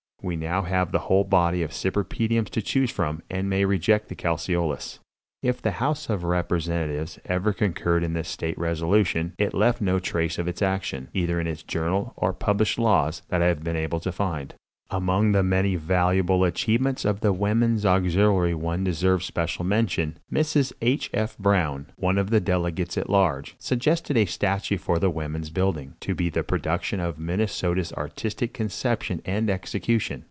We now have the whole body of cypripediums to choose from, and may reject the calceolous. If the house of representatives ever concurred in the senate resolution, it left no trace of its action, either in its journal or published laws, that I have been able to find. Among the many valuable achievements of the Women's Auxiliary one deserves special mention. Mrs. H. F. Brown, one of the delegates at large, suggested a statue for the Woman's Building, to be the production of Minnesota's artistic conception and execution.